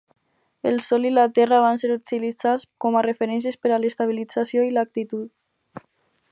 El sol i la terra van ser utilitzats com a referències per a l'estabilització d'actitud.